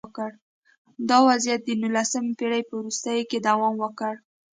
دا وضعیت د نولسمې پېړۍ په وروستیو کې دوام وکړ